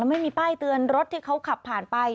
ไม่มีป้ายเตือนรถที่เขาขับผ่านไป